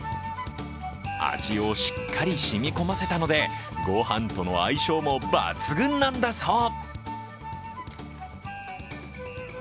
味をしっかり染み込ませたのでご飯との相性も抜群なんだそう。